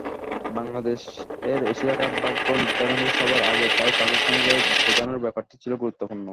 বাংলাদেশের এশিয়া কাপ-ভাগ্য নির্ধারণী সভার আগে তাই পাকিস্তানকে বোঝানোর ব্যাপারটি ছিল গুরুত্বপূর্ণ।